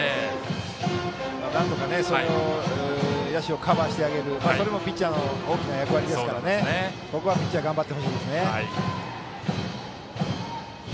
なんとか野手をカバーしてあげるそれもピッチャーの大きな役割ですからここはピッチャーに頑張ってほしいですね。